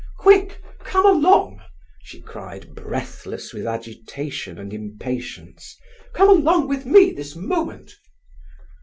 "Quick—come along!" she cried, breathless with agitation and impatience. "Come along with me this moment!"